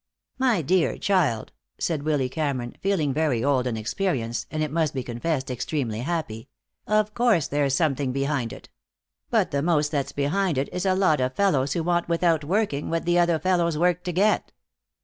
"My dear child," said Willy Cameron, feeling very old and experienced, and, it must be confessed, extremely happy, "of course there's something behind it. But the most that's behind it is a lot of fellows who want without working what the other fellow's worked to get."